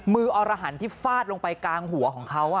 มืออลหรรหันที่ฝาดลงไปกลางหัวของเค้า